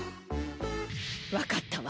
分かったわ